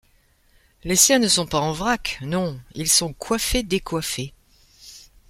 Les siens ne sont pas en vrac, non : ils sont coiffés-décoiffés.